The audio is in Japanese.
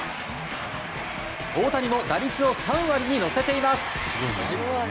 大谷も打率を３割に乗せています。